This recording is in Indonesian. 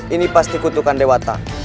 ini pasti kutukan dewata